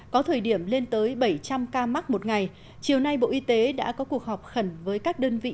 có thời điểm lên tới bảy trăm linh ca mắc một ngày chiều nay bộ y tế đã có cuộc họp khẩn với các đơn vị